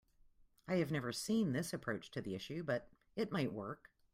I have never seen this approach to this issue, but it might work.